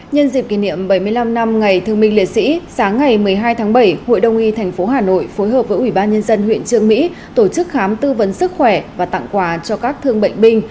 nhân dịp kỷ niệm bảy mươi năm năm ngày thương minh liệt sĩ sáng ngày một mươi hai tháng bảy hội đồng y thành phố hà nội phối hợp với ủy ban nhân dân huyện trương mỹ tổ chức khám tư vấn sức khỏe và tặng quà cho các thương bệnh binh